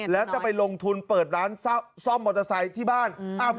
แล้วจะไปลงทุนเปิดร้านซ่อมมอเตอร์ไซค์ที่บ้าน